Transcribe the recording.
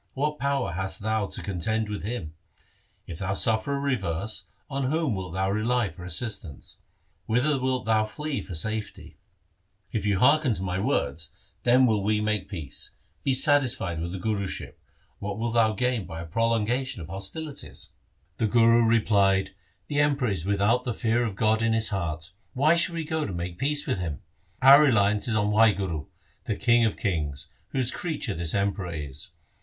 What power hast thou to contend with him ? If thou suffer a reverse, on whom wilt thou rely for assistance ? Whither wilt thou flee for safety ? If thou hearken to my words, then will we make peace. Be satisfied with the Guruship. What wilt thou gain by a prolongation of hostilities ?' LIFE OF GURU HAR GOBIND 91 The Guru replied, ' The Emperor is without the fear of God in his heart. Why should we go to make peace with him ? Our reliance is on Wahguru, the King of kings, whose creature this Emperor is.